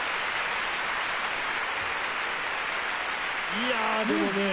いやあでもねえ